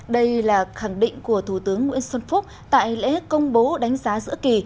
đây là khẳng định của thủ tướng nguyễn xuân phúc tại lễ công bố đánh giá giữa kỳ